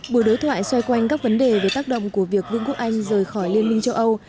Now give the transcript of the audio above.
buổi đối thoại xoay quanh các vấn đề về tác động của việc vương quốc anh rời khỏi liên minh châu âu